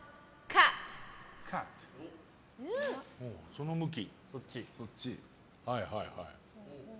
その向き。